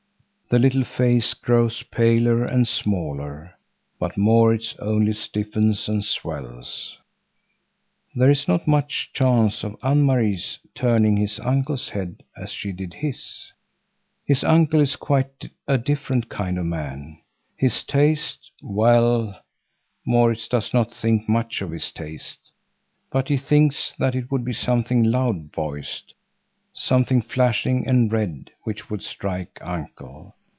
The little face grows paler and smaller, but Maurits only stiffens and swells. There is not much chance of Anne Marie's turning his uncle's head as she did his. His uncle is quite a different kind of man. His taste—well, Maurits does not think much of his taste but he thinks that it would be something loud voiced, something flashing and red which would strike Uncle.